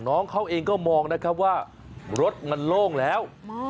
น้องเขาเองก็มองนะครับว่ารถมันโล่งแล้ว